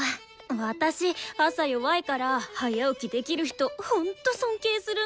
私朝弱いから早起きできる人ほんと尊敬するんだよね。